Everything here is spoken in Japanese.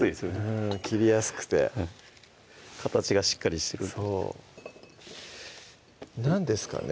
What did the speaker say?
うん切りやすくて形がしっかりしてるそう何ですかね？